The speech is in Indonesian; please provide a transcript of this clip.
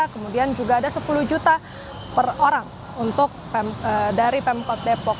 kemudian juga ada sepuluh juta per orang dari pemkot depok